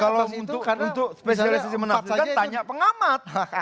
kalau untuk spesialisasi menafsirkan tanya pengamat